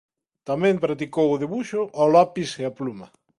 Tamén practicou o debuxo ao lapis e a pluma.